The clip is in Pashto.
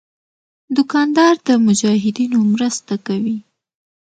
دوکاندار د مجاهدینو مرسته کوي.